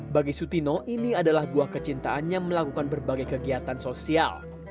bagi sutino ini adalah buah kecintaannya melakukan berbagai kegiatan sosial